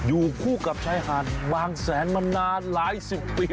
อยู่คู่กับชายหาดบางแสนมานานหลายสิบปี